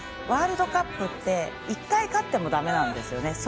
ワールドカップって１回勝ってもだめなんですよね。